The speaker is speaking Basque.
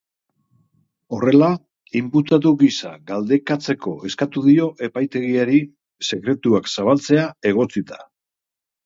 Horrela, inputatu gisa galdekatzeko eskatu dio epaitegiari, sekretuak zabaltzea egotzita.